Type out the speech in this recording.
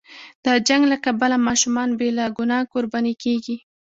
د جنګ له کبله ماشومان بې له ګناه قرباني کېږي.